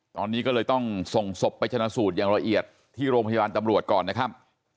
ตอนนี้ก็เลยต้องส่งศพไปชนะสูตรอย่างละเอียดที่โรงพยาบาลตำรวจก่อนนะครับ